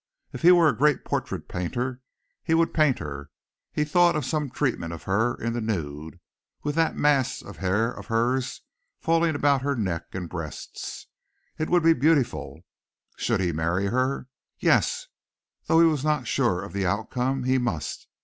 If he were a great portrait painter he would paint her. He thought of some treatment of her in the nude with that mass of hair of hers falling about her neck and breasts. It would be beautiful. Should he marry her? Yes, though he was not sure of the outcome, he must.